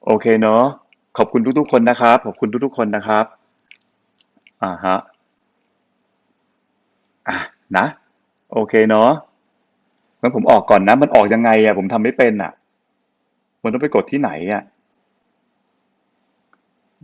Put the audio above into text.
โอเคเนอะขอบคุณทุกทุกคนนะครับขอบคุณทุกทุกคนนะครับอ่าฮะอ่ะนะโอเคเนอะงั้นผมออกก่อนนะมันออกยังไงอ่ะผมทำไม่เป็นอ่ะมันต้องไปกดที่ไหนอ่ะ